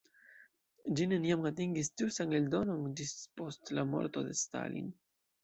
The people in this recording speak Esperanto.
Ĝi neniam atingis ĝustan eldonon ĝis post la morto de Stalin.